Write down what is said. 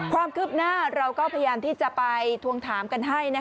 ความคืบหน้าเราก็พยายามที่จะไปทวงถามกันให้